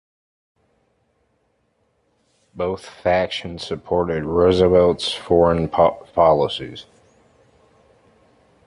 Both factions supported Roosevelt's foreign policies.